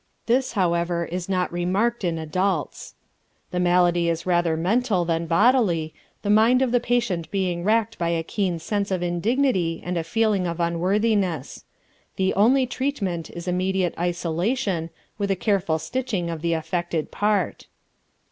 This, however, is not remarked in adults. The malady is rather mental than bodily, the mind of the patient being racked by a keen sense of indignity and a feeling of unworthiness. The only treatment is immediate isolation, with a careful stitching of the affected part.